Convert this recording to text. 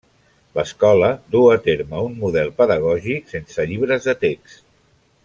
L'escola duu a terme un model pedagògic sense llibres de text.